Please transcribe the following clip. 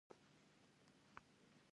دوی کمپیوټر ته فارسي راوړې.